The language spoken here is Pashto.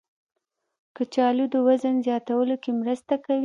کچالو د وزن زیاتولو کې مرسته کوي.